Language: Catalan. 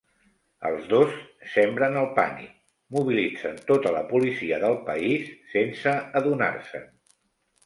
Els dos sembren el pànic, mobilitzen tota la policia del país sense adonar-se'n.